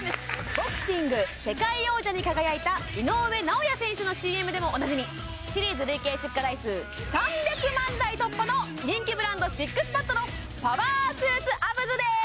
ボクシング世界王者に輝いた井上尚弥選手のＣＭでもおなじみシリーズ累計出荷台数３００万台突破の人気ブランドＳＩＸＰＡＤのパワースーツアブズです！